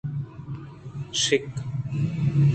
شک